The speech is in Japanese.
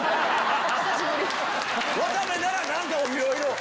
渡部なら何かをいろいろ。